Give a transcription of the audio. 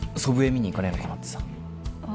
見に行かねえのかなってさあ